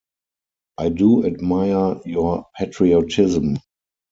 I do admire your patriotism.